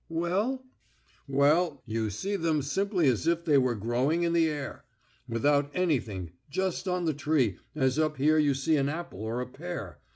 "Well?" "Well, you see them simply as if they were growing in the air. Without anything, just on the tree, as up here you see an apple or a pear....